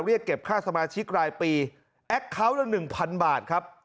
เรียกเก็บค่าสมาชิกรายปีแอคเคาน์ละ๑๐๐บาทครับ